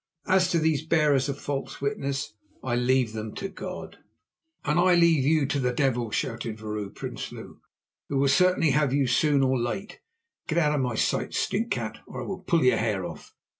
As to these bearers of false witness, I leave them to God." "And I leave you to the devil," shouted Vrouw Prinsloo, "who will certainly have you soon or late. Get out of my sight, stinkcat, or I will pull your hair off."